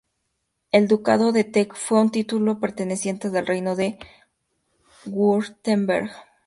El ducado de Teck fue un título perteneciente al Reino de Wurtemberg.